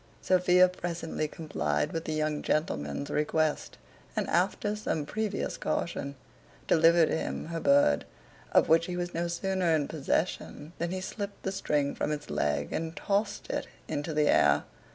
Sophia presently complied with the young gentleman's request, and after some previous caution, delivered him her bird; of which he was no sooner in possession, than he slipt the string from its leg and tossed it into the air.